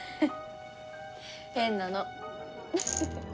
変なの。